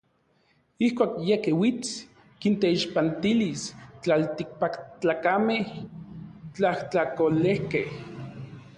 Ijkuak yej uits, kinteixpantilis n tlaltikpaktlakamej tlajtlakolejkej.